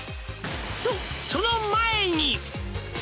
「とその前に」